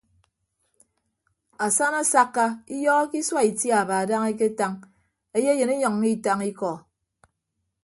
Asana asakka iyọhọke isua itiaba dana eketañ eyeyịn inyʌññọ itañ ikọ.